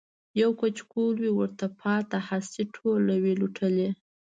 یو کچکول وي ورته پاته هستۍ ټولي وي لوټلي